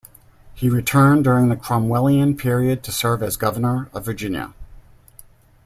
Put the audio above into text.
He returned during the Cromwellian period to serve as Governor of Virginia.